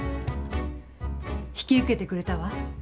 引き受けてくれたわ。